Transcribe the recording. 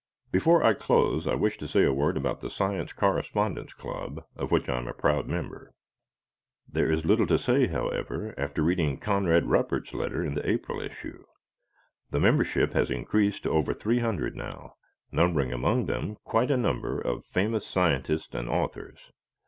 Before I close I wish to say a word about the Science Correspondence Club of which I am a proud member. There is little to say, however, after reading Conrad Ruppert's letter in the April issue. The membership has increased to over 300 now, numbering among them quite a number of famous scientists and authors.